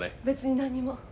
別に何も。